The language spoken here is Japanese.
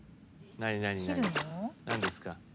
何ですか？